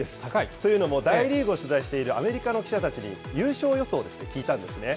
というのも、大リーグを取材しているアメリカの記者たちに、優勝予想を聞いたんですね。